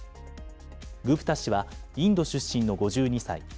グプタ氏はインド出身の５２歳。